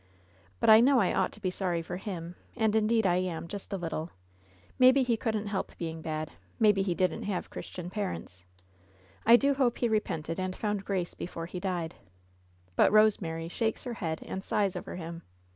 But I know I ought to be sorry for him, and indeed I am, just a little. Maybe he couldn't help being bad — ^maybe he didn't have Christian parents. I do hope he repented and found grace before he died. But Rosemary shakes her head and sighs over him.